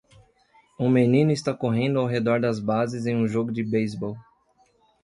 Um menino está correndo ao redor das bases em um jogo de beisebol.